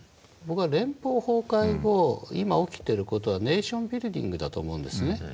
僕は連邦崩壊後今起きている事はネーションビルディングだと思うんですね